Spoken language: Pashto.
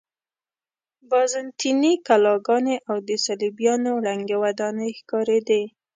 بازنطیني کلاګانې او د صلیبیانو ړنګې ودانۍ ښکارېدې.